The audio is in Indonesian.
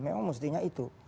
memang mestinya itu